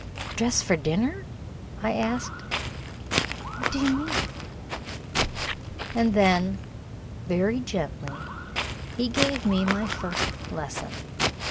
"Dress for dinner?" I asked. "What do you mean?" And then very gently he gave me my first lesson.